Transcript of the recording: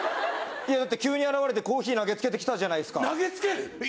急に現れてコーヒー投げつけてきたじゃないですか。